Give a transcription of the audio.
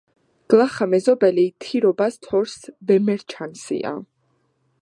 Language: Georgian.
გლახა მეზობელი თირობას თორს ვემერჩანსია.